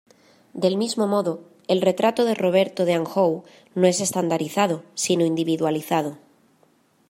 Del mismo modo, el retrato de Roberto de Anjou no es estandarizado, sino individualizado.